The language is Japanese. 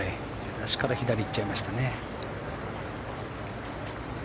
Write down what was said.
出だしから左に行っちゃいましたね。